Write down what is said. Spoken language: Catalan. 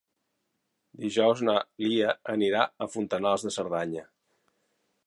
Dijous na Lia anirà a Fontanals de Cerdanya.